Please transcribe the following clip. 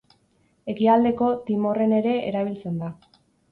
Ekialdeko Timorren ere erabiltzen da.